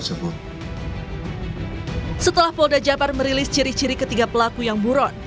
setelah polda jabar merilis ciri ciri ketiga pelaku yang buron